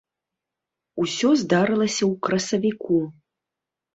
Усё здарылася ў красавіку.